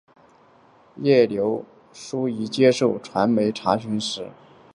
叶刘淑仪接受传媒查询时强调今次事件与选举无关。